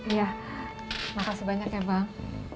iya makasih banyak ya bang